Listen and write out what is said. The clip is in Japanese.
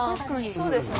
そうですね。